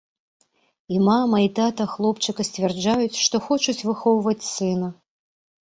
І мама, і тата хлопчыка сцвярджаюць, што хочуць выхоўваць сына.